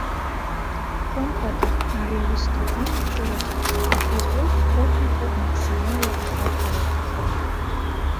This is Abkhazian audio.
Хымԥада, ари аус ду анагӡараҿы афольклортә формақәа максималла ахархәара рҭахын.